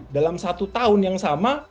dalam satu tahun yang sama